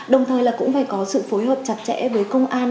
đồng thời là cũng phải có sự phối hợp chặt chẽ với công an